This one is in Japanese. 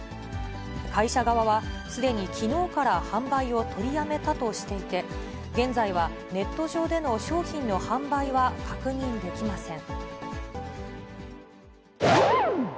会社側は、すでにきのうから販売を取りやめたとしていて、現在はネット上での商品の販売は確認できません。